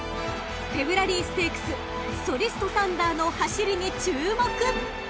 ［フェブラリーステークスソリストサンダーの走りに注目］